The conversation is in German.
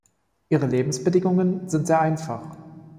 Ihre Lebensbedingungen sind sehr einfach.